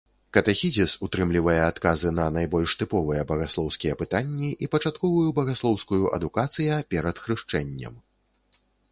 Катэхізіс утрымлівае адказы на найбольш тыповыя багаслоўскія пытанні і пачатковую багаслоўскую адукацыя перад хрышчэннем.